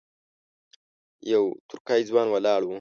یو ترکی ځوان ولاړ و.